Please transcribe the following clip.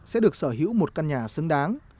sẽ được sở hữu một căn nhà xứng đáng